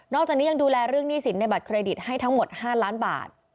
จากนี้ยังดูแลเรื่องหนี้สินในบัตรเครดิตให้ทั้งหมด๕ล้านบาท